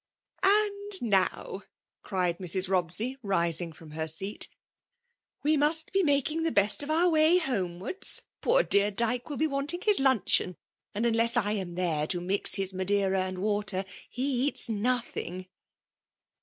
'' And now/' cried Mrs. Bobsey, rising firom her seat, we must be making the best of our way homewards. Poor dear Dyke will be want ing his luncheon ; and unless I am thare, to mix his Madeira and water, he eats nothing."